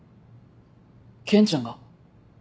健ちゃんが？